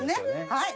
はい。